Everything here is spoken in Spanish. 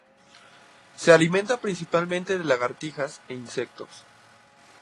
Se alimenta principalmente de lagartijas e insectos.